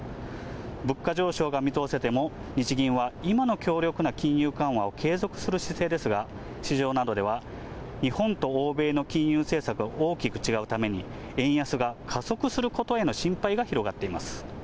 物価上昇が見通せても、日銀は今の強力な金融緩和を継続する姿勢ですが、市場などでは、日本と欧米の金融政策が大きく違うために、円安が加速することへの心配が広がっています。